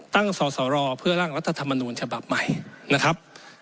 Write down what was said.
สสรเพื่อร่างรัฐธรรมนูญฉบับใหม่นะครับ